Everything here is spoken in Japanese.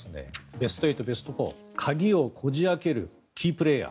ベスト８、ベスト４鍵をこじ開けるキープレーヤー